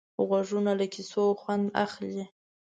غوږونه له کیسو خوند اخلي